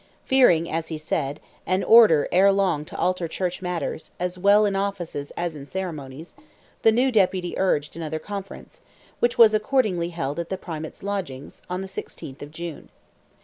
Fearing, as he said, an "order ere long to alter church matters, as well in offices as in ceremonies," the new Deputy urged another Conference, which was accordingly held at the Primate's lodgings, on the 16th of June.